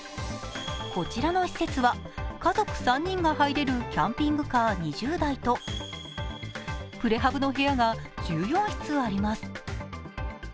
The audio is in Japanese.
こちらの施設は家族３人が入れるキャンピングカー２０台とプレハブの部屋が１４室あります。